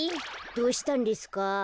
どうしたんですか？